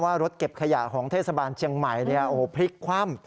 ว่ารถเก็บขยะของเทศบาลเชียงใหม่นี่โอ้โฮพริกคว่ำ